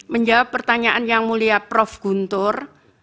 menjawab pertanyaan yang mulia prof guntur